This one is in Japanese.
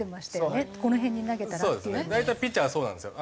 大体ピッチャーはそうなんですよ。